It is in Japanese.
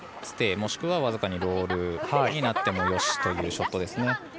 ステイもしくは僅かにロールになってもよしというショットです。